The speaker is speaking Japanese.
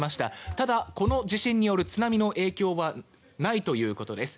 ただ、この地震による津波の影響はないということです。